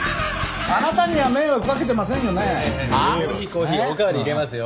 コーヒーおかわり入れますよ。